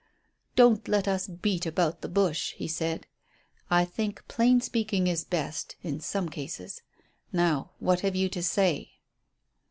"Don't let us beat about the bush," he said. "I think plain speaking is best in some cases. Now, what have you to say?"